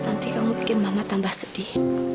nanti kamu bikin mama tambah sedih